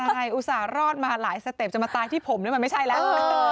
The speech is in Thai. ใช่อุตส่าห์รอดมาหลายสเต็ปจะมาตายที่ผมนี่มันไม่ใช่แล้ว